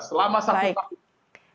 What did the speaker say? selama satu tahun